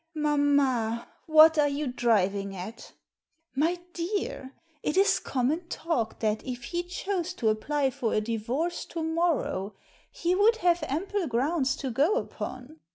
" Mamma, what are you driving at ?"." My dear, it is common talk that if he chose to apply for a divorce to morrow, he would have ample grounds to go upon.